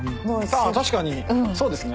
確かにそうですね。